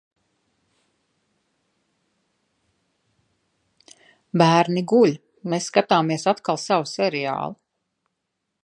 Bērni guļ. Mēs skatāmies atkal savu seriālu.